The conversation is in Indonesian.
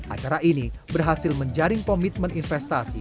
acara ini berhasil menjaring komitmen investasi